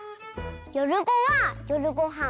「よるご」は「よるごはん」。